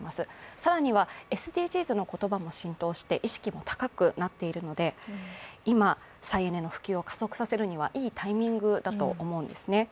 更にはＳＤＧｓの言葉も浸透して意識も高くなっているので、今、再エネの普及を加速させるにはいいタイミングだと思うんですね。